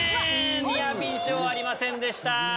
ニアピン賞ありませんでした。